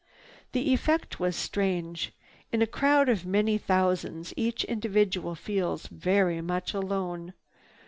The effect was strange. In a crowd of many thousands each individual feels very much alone.